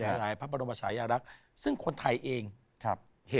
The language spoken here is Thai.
ด้วยความรักด้วยพักดี